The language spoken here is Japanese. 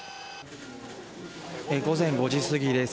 午前５時すぎです。